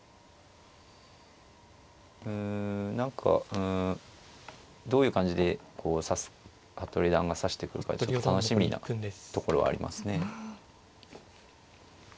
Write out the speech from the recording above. うん何かうんどういう感じで服部四段が指してくるか楽しみなところありますね。